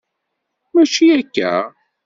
Mačči akka?